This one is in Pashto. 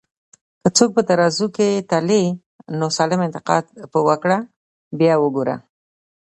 که څوک په ترازو کی تلې، نو سالم انتقاد پر وکړه بیا وګوره